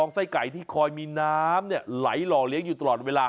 ถ้ามีน้ำไหลหล่อเลี้ยงอยู่ตลอดเวลา